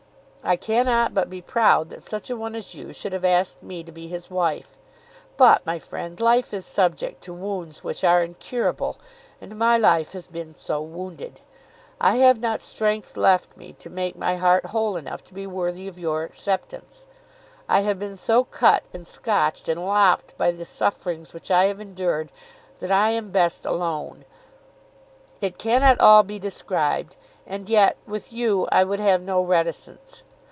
I cannot but be proud that such a one as you should have asked me to be his wife. But, my friend, life is subject to wounds which are incurable, and my life has been so wounded. I have not strength left me to make my heart whole enough to be worthy of your acceptance. I have been so cut and scotched and lopped by the sufferings which I have endured that I am best alone. It cannot all be described; and yet with you I would have no reticence.